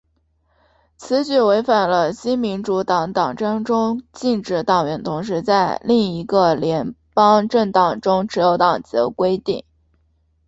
此举违反了新民主党党章中禁止党员同时在另一个联邦政党中持有党籍的规定。